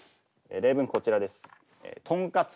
例文こちらです。